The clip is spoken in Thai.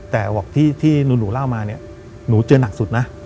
แต่บอกที่หนูเล่ามาเนี่ยหนูเจอหนักสุดนะ